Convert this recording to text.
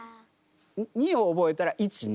２を覚えたら１２。